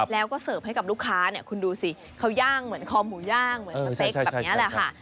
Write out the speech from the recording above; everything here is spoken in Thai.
แล้วก็เสิร์ฟให้กับลูกค้าเนี่ยคุณดูสิเขาย่างเหมือนคอหมูย่างเหมือนสเต็กแบบนี้แหละค่ะ